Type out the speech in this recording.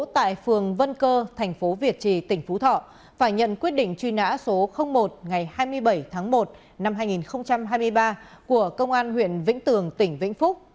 đối tượng phạm thị phú thọ phải nhận quyết định truy nã số một ngày hai mươi bảy tháng một năm hai nghìn hai mươi ba của công an huyện vĩnh tường tỉnh vĩnh phúc